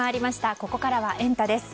ここからはエンタ！です。